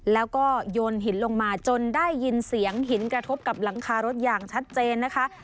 แล้วก็โยนหินลงมาจนได้ยินเสียงหินกระทบกับหลังคารถอย่างชัดเจนนะคะ